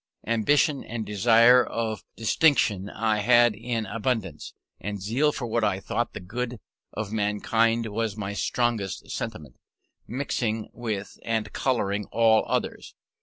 Ambition and desire of distinction I had in abundance; and zeal for what I thought the good of mankind was my strongest sentiment, mixing with and colouring all others.